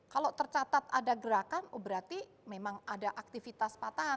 kalau tercatat ada gerakan berarti memang ada aktivitas patahan